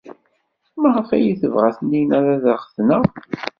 Maɣef ay tebɣa Taninna ad aɣ-tneɣ?